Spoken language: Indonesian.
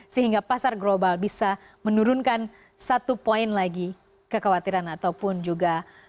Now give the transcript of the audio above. sehingga pasar global bisa menurunkan satu poin lagi kekhawatiran ataupun juga